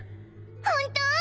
本当？